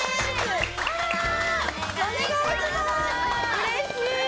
うれしい！